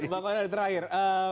bapak dari terakhir